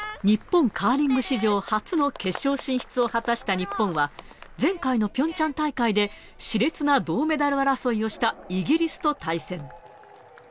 日本カーリング史上初の決勝進出を果たした日本は、前回のピョンチャン大会で、しれつな銅メダル争いをしたイギリスと対戦。